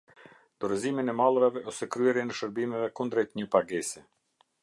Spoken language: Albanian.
Dorëzimin e mallrave ose kryerjen e shërbimeve kundrejt një pagese.